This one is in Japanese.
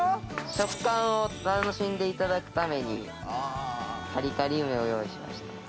食感を楽しんで頂くためにカリカリ梅を用意しました。